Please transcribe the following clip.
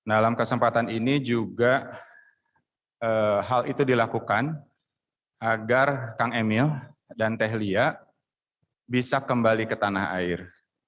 dalam kesempatan ini juga hal itu dilakukan agar kang emil dan tehlia bisa kembali ke tanah air